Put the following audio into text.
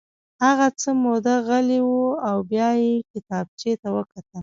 هغه څه موده غلی و او بیا یې کتابچې ته وکتل